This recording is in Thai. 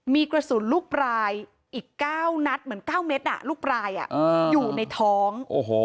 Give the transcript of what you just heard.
มีกระสุนลูกปลายอีก๙นัดเหมือน๙เม็ดลูกปลายอยู่ในท้อง